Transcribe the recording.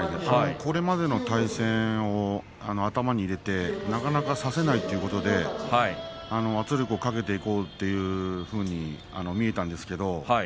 これまでの対戦は頭に入れてなかなか差せないということで圧力をかけていこうというふうに見えました。